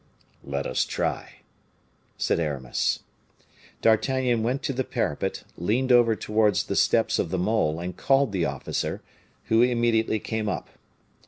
"Let us try," said Aramis. D'Artagnan went to the parapet, leaned over towards the steps of the mole, and called the officer, who immediately came up.